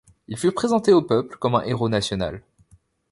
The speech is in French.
Il fut présenté au peuple comme un héros national.